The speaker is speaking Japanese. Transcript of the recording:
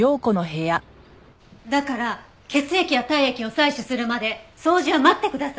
だから血液や体液を採取するまで掃除は待ってください。